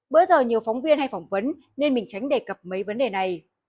bây giờ nhiều phóng viên hay phỏng vấn nên mình tránh đề cập mấy vấn đề này